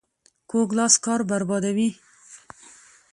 کوږ لاس کار بربادوي